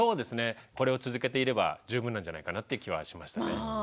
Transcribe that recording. これを続けていれば十分なんじゃないかなっていう気はしましたね。